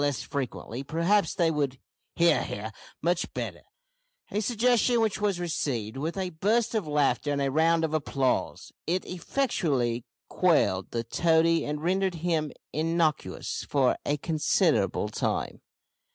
less frequently, perhaps they would "he ar" much better a suggestion which was received with a burst of laughter and a round of applause. It effectually quelled the toady and rendered him innocuous for a considerable time.